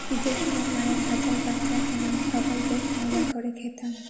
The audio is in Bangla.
ঈদের সময় মায়ের হাতের পাতলা সেমাই সবাই বেশ মজা করে খেতাম।